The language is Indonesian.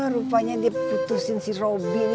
rupanya dia putusin si robin